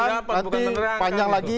nanti panjang lagi